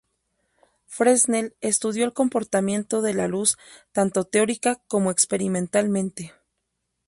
Fresnel estudió el comportamiento de la luz tanto teórica como experimentalmente.